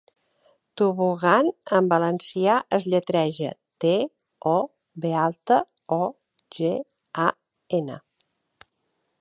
'Tobogan' en valencià es lletreja: te, o, be alta, o, ge, a, ene.